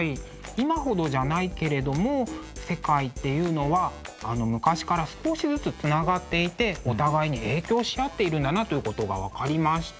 今ほどじゃないけれども世界っていうのは昔から少しずつつながっていてお互いに影響し合っているんだなということが分かりました。